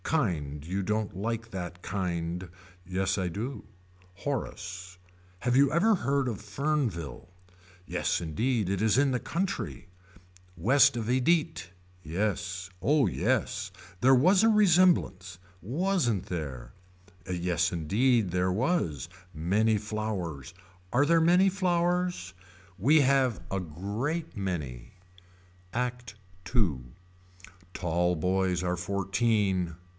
Kind you don't like that kind. Yes I do. Horace. Have you ever heard of Fernville. Yes indeed it is in the country. West of Edite. Yes. Oh yes. There was resemblance. Wasn't there. Yes indeed there was. Many flowers. Are there many flowers. We have a great many. ACT II. Tall boys are fourteen.